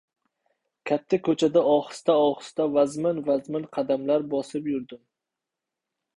Katta ko‘chada ohista-ohista vazmin-vazmin qadamlar bosib yurdim.